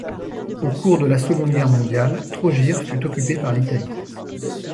Au cours de la Seconde Guerre mondiale, Trogir fut occupée par l'Italie.